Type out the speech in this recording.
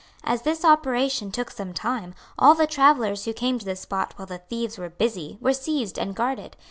As this operation took some time, all the travellers who came to the spot while the thieves were busy were seized and guarded.